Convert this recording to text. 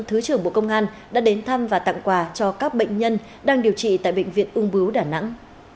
thứ trưởng bộ công an đã đến thăm và tặng quà cho các bệnh nhân đang điều trị tại bệnh viện ung bướu đà nẵng